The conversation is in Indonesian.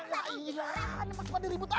kok ninggalin adek